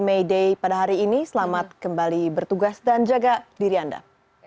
may day pada hari ini selamat kembali bertugas dan jaga diri anda